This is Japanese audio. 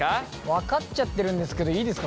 分かっちゃってるんですけどいいですか？